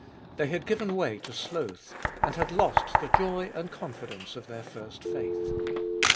They had given way to sloth, and had lost the joy and confidence of their first faith.